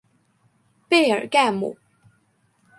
贝尔盖姆。